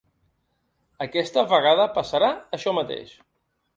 Aquesta vegada passarà això mateix.